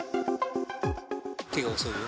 手が遅いよ。